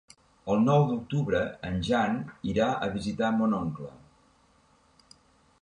El nou d'octubre en Jan irà a visitar mon oncle.